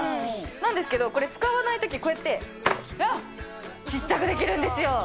なんですけどこれ、使わないとき、こうやって、ちっちゃくできるんですよ。